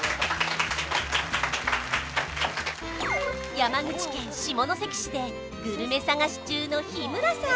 山口県下関市でグルメ探し中の日村さん